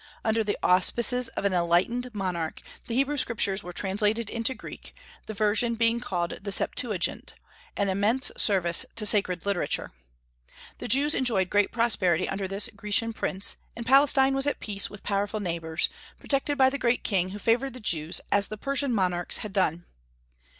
Under the auspices of an enlightened monarch, the Hebrew Scriptures were translated into Greek, the version being called the Septuagint, an immense service to sacred literature. The Jews enjoyed great prosperity under this Grecian prince, and Palestine was at peace with powerful neighbors, protected by the great king who favored the Jews as the Persian monarchs had done.